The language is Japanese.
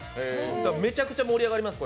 めちゃくちゃ盛り上がります